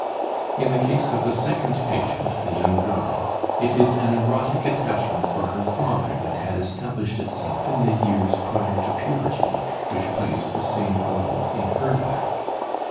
In the case of the second patient, the young girl, it is an erotic attachment for her father that had established itself in the years prior to puberty, which plays the same role in her life.